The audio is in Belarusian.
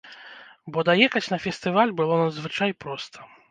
Бо даехаць на фестываль было надзвычай проста.